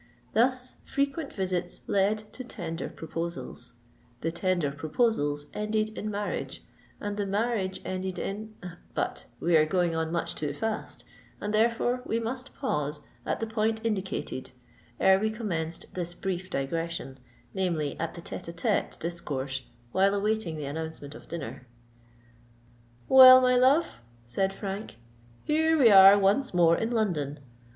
Thus frequent visits led to tender proposals; the tender proposals ended in marriage; and the marriage ended in—— But we were going on much too fast; and therefore we must pause at the point indicated ere we commenced this brief digression—namely, at the tête à tête discourse while awaiting the announcement of dinner. "Well, my love," said Frank, "here we are once more in London.